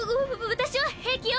私は平気よ